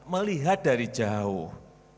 melihat dari jauh